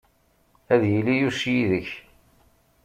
Ad yili Yuc yid-k.